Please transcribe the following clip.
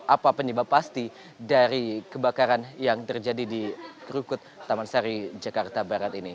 apa penyebab pasti dari kebakaran yang terjadi di krukut taman sari jakarta barat ini